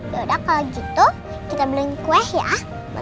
yaudah kalau gitu kita beli kue ya